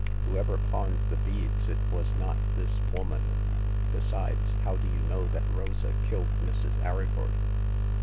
Whosoever pawned the beads, it was not this woman. Besides, how do you know that Rosa killed Mrs. Arryford